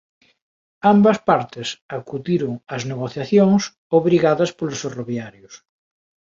Ambas partes acudiron ás negociacións obrigadas polos ferroviarios.